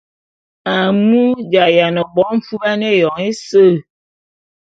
Amu j’ayiane bo mfuban éyoñ ése.